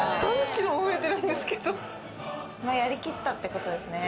３キロも増えてるんですけど、やりきったってことですね。